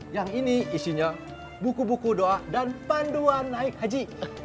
yang ini isinya buku buku doa dan panduan naik haji